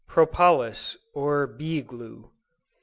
PROPOLIS, OR "BEE GLUE."